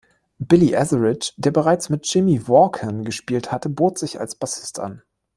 Billy Etheridge, der bereits mit Jimmie Vaughan gespielt hatte, bot sich als Bassist an.